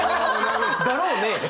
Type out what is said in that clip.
だろうね！